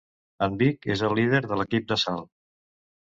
En Vic és el líder de l'equip d'assalt.